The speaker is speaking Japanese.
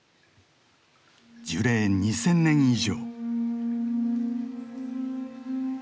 樹齢２，０００年以上。